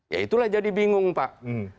ya itulah jadi bingung pak